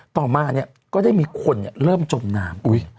ต่อมาเนี่ยก็ได้มีคนเริ่มจมน้ำ